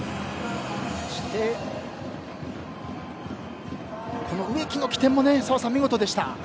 そして植木の起点も澤さん、見事でした。